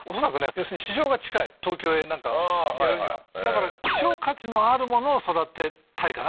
要するに市場が近い東京へなんかやるにはだから希少価値のあるものを育てたいかな